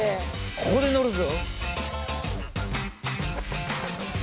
ここで乗るぞ！